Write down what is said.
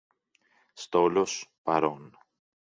Στόλος, παρών.